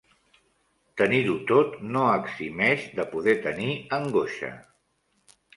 Tenir-ho tot no eximeix de poder tenir angoixa.